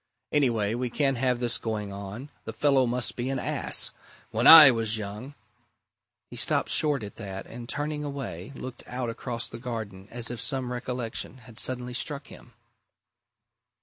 Anyway, we can't have this going on. The fellow must be an ass! When I was young " He stopped short at that, and turning away, looked out across the garden as if some recollection had suddenly struck him.